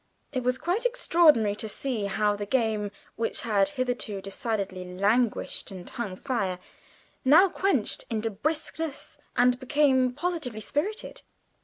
It was quite extraordinary to see how the game, which had hitherto decidedly languished and hung fire, now quickened into briskness and became positively spirited.